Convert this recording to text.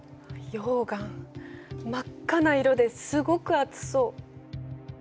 溶岩真っ赤な色ですごく熱そう。